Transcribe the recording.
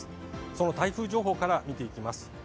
その台風情報から見ていきます。